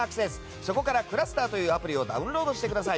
そこからｃｌｕｓｔｅｒというアプリをダウンロードしてください。